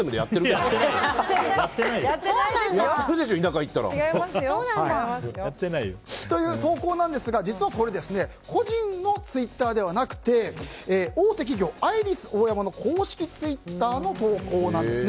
この投稿ですが実は個人のツイッターではなくて大手企業アイリスオーヤマの公式ツイッターの投稿なんですね。